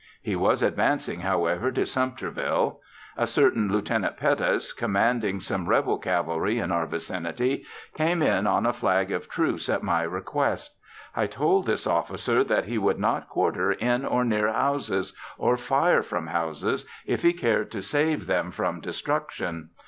He was advancing, however, to Sumterville. A certain Lieutenant Pettus, commanding some Rebel cavalry in our vicinity, came in on a flag of truce at my request. I told this officer that he would not quarter in or near houses, or fire from houses, if he cared to save them from destruction.